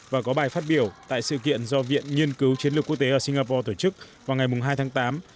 và có bài phát biểu tại sự kiện do viện nghiên cứu chiến lược quốc tế ở singapore tổ chức vào ngày hai tháng tám